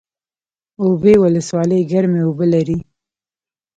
اوبې ولسوالۍ ګرمې اوبه لري؟